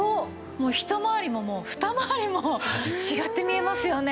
一回りももう二回りも違って見えますよね。